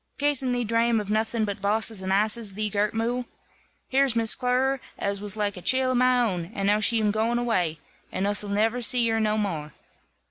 "Cas'n thee drame of nothing but bosses and asses, thee girt mule? Here's Miss Clerer, as was like a cheel of my own, and now she'm gooin awai, and us'll niver zee her no more."